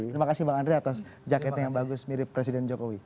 terima kasih bang andre atas jaket yang bagus mirip presiden jokowi